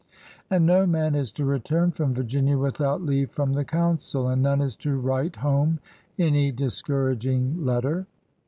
And no man is to return from Virginia with out leave from the G>uncil, and none is to write home any discouraging letter.